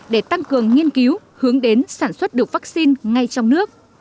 để tăng cường nghiên cứu hướng đến sản xuất được vaccine ngay trong nước